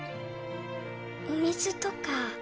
お水とか